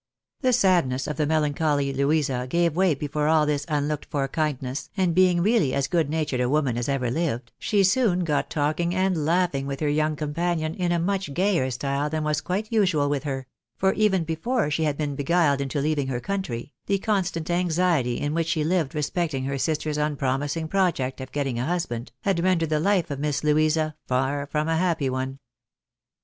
The sadness of the melancholy Louisa gave way before all this unlooked for kindness, and being really as good natured a woman as ever lived, she soon got talking and laughing with her young companion in a much gayer style than was quite usual with her ; for even before she had been be THE VERY GENTLEMAX WANTED. 105 guiled into leaving lier country, the constant anxiety in 'wliicli she lived respecting her sister's unpromising project of getting a hus band, had rendered the life of Miss Louisa far from a happy one.